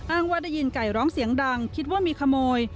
ว่าได้ยินไก่ร้องเสียงดังคิดว่ามีขโมย